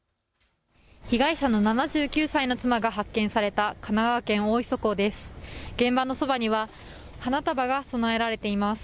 被害者の７９歳の妻が発見された神奈川県大磯港です。